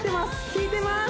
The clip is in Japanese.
効いてます